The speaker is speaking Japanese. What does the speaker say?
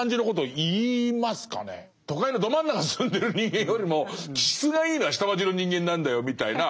都会のど真ん中住んでる人間よりも気質がいいのは下町の人間なんだよみたいな。